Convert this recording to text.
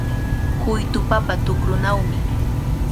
Huytu papa tukrunawmi.